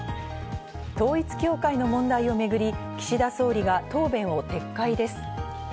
統一教会の問題をめぐり、岸田総理は答弁を撤回です。